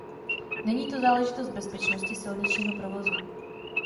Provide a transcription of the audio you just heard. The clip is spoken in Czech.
Není to záležitost bezpečnosti silničního provozu.